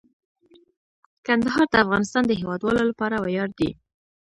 کندهار د افغانستان د هیوادوالو لپاره ویاړ دی.